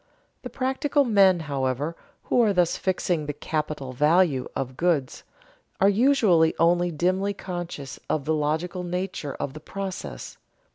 The practical men, however, who are thus fixing the "capital value" of goods, are usually only dimly conscious of the logical nature of the process.